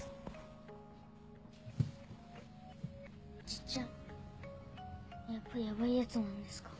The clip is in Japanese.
じっちゃんやっぱヤバいやつなんですか？